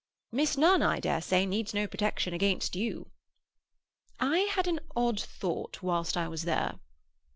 "Miss Nunn, I dare say, needs no protection against you." "I had an odd thought whilst I was there."